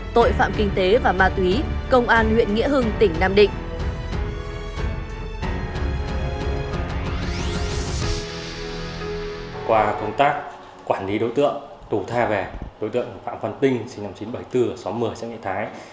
tội phạm kinh tế và ma túy công an huyện nghĩa hưng tỉnh nam định